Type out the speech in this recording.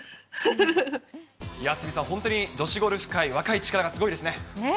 鷲見さん、本当に女子ゴルフ界、若い力がすごいですね。